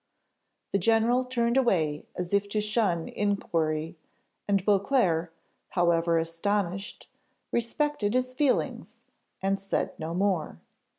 The general turned away as if to shun inquiry, and Beauclerc, however astonished, respected his feelings, and said no more.